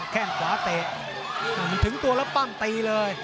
ผมถึงตัวแล้วปั้งตีเลย